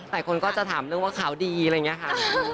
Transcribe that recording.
หลายคนก็จะถามเรื่องว่าข่าวดีอะไรอย่างนี้ค่ะ